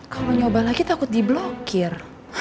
kalau nyoba lagi takut di blokir